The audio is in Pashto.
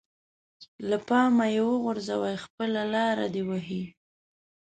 له پامه يې وغورځوي خپله لاره دې وهي.